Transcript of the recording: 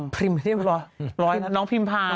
พิมพาน้องพิมพา